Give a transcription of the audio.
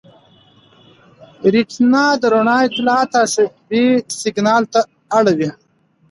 ریټینا د رڼا اطلاعات عصبي سېګنال ته اړوي.